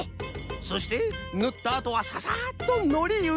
そしてぬったあとはササッとのりゆびをふく。